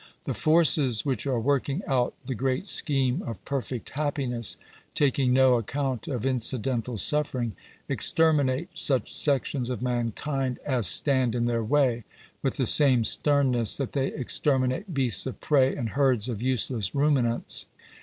The forces which are working out the great scheme of perfect happiness, taking no account of inci dental suffering, exterminate such sections of mankind as stand in their way, with the same sternness that they exterminate beasts of prey and herds of useless ruminants.